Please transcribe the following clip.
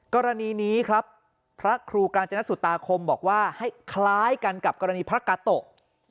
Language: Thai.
กรณีนี้ครับพระครูกาญจนสุตาคมบอกว่าให้คล้ายกันกับกรณีพระกาโตะ